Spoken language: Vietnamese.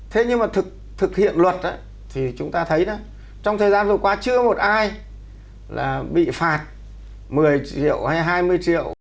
thế nhưng mà thực hiện luật thì chúng ta thấy trong thời gian vừa qua chưa một ai là bị phạt một mươi triệu hay hai mươi triệu